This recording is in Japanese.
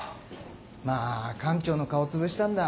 まあ館長の顔つぶしたんだ